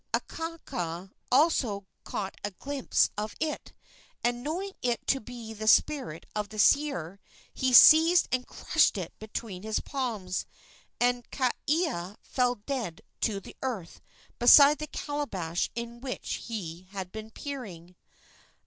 Akaaka also caught a glimpse of it, and, knowing it to be the spirit of the seer, he seized and crushed it between his palms, and Kaea fell dead to the earth beside the calabash into which he had been peering.